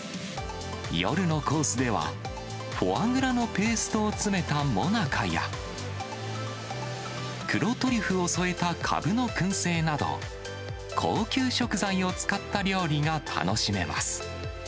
夜のコースでは、フォアグラのペーストを詰めた最中や、黒トリュフを添えたかぶのくん製など、高級食材を使った料理が楽しめます。